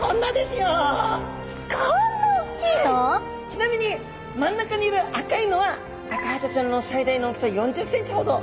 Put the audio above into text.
ちなみに真ん中にいる赤いのはアカハタちゃんの最大の大きさ４０ｃｍほど。